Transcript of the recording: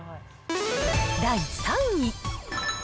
第３位。